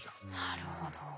なるほど。